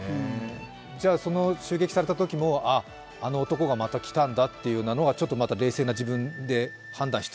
襲撃されたときも、あっ、あの男がまた来たんだというのがちょっとまた冷静な自分で判断しつつ？